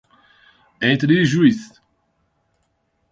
Entre Ijuís